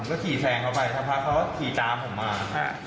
ผมก็ขี่แทงเข้าไปก็พาเขาขี่ตามผมมาค่ะ